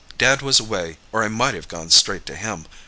Dad was away, or I might have gone straight to him.